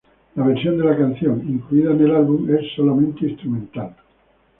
La versión de la canción incluida en el álbum es solamente instrumental.